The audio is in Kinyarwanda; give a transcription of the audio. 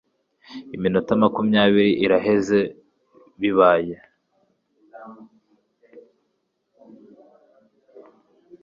Iminota makumyabiri iraheze bibaye